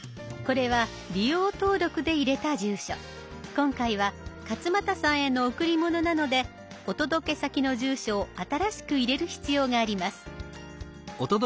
今回は勝俣さんへの贈り物なのでお届け先の住所を新しく入れる必要があります。